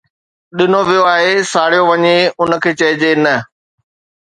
ڏنو ويو آهي، ساڙيو وڃي، ان کي چئجي ”نه“.